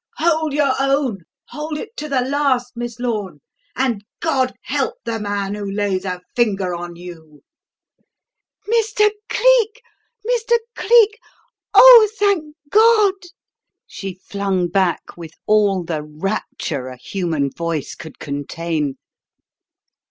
"Hold your own hold it to the last, Miss Lorne, and God help the man who lays a finger on you!" "Mr. Cleek! Mr. Cleek, oh, thank God!" she flung back with all the rapture a human voice could contain.